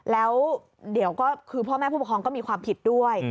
แล้วเดี๋ยวก็คือพ่อแม่ผู้ปกครองก็มีความผิดด้วย